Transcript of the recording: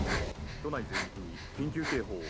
都内全域に緊急警報を。